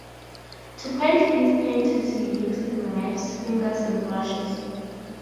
To paint his paintings he used knives, fingers and brushes.